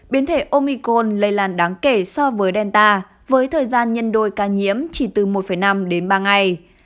biến thể omicon lây làn đáng kể so với delta với thời gian nhân đôi ca nhiễm chỉ từ một năm đến ba ngày